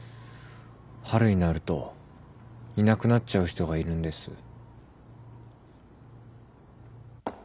春になるといなくなっちゃう人がいるんです。